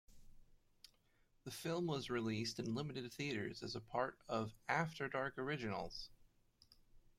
The film was released in limited theaters as part of "After Dark Originals".